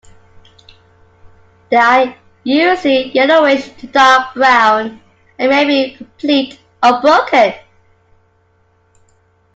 They are usually yellowish to dark-brown, and may be complete or broken.